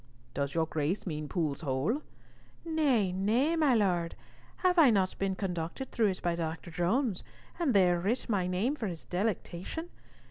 "Does your grace mean Pool's Hole?" "Nay, nay, my Lord. Have I not been conducted through it by Dr. Jones, and there writ my name for his delectation?